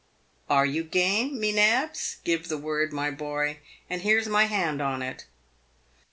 Are you game, me nabs ? Give the word, my boy, and here's my hand on it."